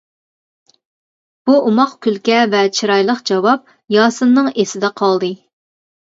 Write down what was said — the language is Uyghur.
بۇ ئوماق كۈلكە ۋە چىرايلىق جاۋاب ياسىننىڭ ئېسىدە قالدى.